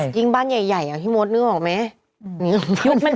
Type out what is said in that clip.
จริงบ้านใหญ่อ่ะพี่โมสนึกออกไหม